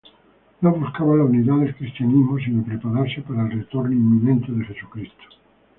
No buscaba la unidad del cristianismo sino prepararse para el retorno inminente de Jesucristo.